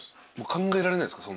考えられないですか？